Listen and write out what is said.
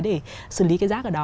để xử lý cái rác ở đó